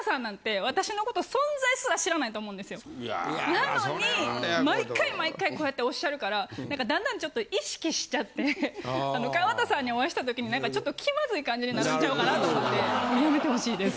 なのに毎回毎回こうやっておっしゃるから何か段々ちょっと意識しちゃって川田さんにお会いした時に何かちょっと気まずい感じになるんちゃうかなと思ってやめてほしいです。